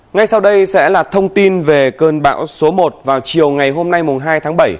ngay sau đây sẽ là thông tin về cơn bão số một vào chiều ngày hôm nay hai tháng bảy